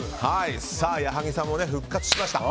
矢作さんも復活しました。